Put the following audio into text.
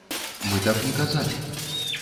Мы так не казалі.